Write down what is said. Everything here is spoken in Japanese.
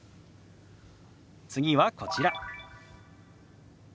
次はこちら。